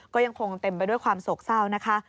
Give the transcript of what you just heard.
ก็ยังคงเต็มไปด้วยความโศกเศร้านะคะ